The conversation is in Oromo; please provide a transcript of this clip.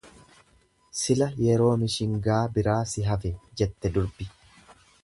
"""Sila yeroo mishingaa biraa si hafe"" jette durbi."